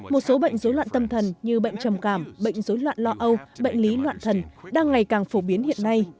một số bệnh dối loạn tâm thần như bệnh trầm cảm bệnh dối loạn lo âu bệnh lý loạn thần đang ngày càng phổ biến hiện nay